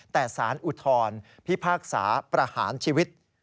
แต่สารอุทธรพิพากษาประหารชีวิต